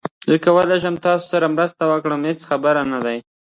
زه کولای شم تاسو سره مرسته وکړم، هیڅ خبره نه ده